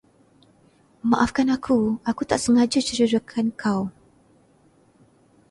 Maafkan aku, aku tak sengaja cederakan kau.